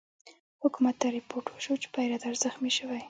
حکومت ته رپوټ وشو چې پیره دار زخمي شوی.